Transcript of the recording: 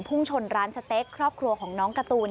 พุ่งชนร้านสเต็กครอบครัวของน้องการ์ตูน